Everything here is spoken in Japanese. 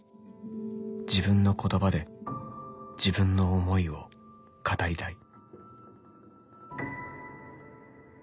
「自分の言葉で自分の想いを語りたい」